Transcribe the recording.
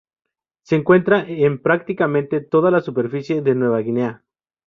Se encuentra en prácticamente toda la superficie de Nueva Guinea.